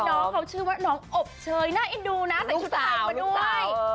น้องเขาชื่อว่าน้องอบเชยน่าเอ็นดูนะใส่ชุดไทยมาด้วย